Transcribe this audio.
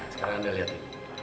sekarang anda lihat ini